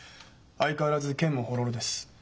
相変わらずけんもほろろです。